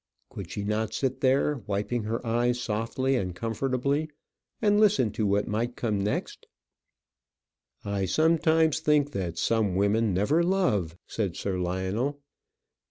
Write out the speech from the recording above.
Could she not sit there, wiping her eyes softly and comfortably, and listen to what might come next? "I sometimes think that some women never love," said Sir Lionel.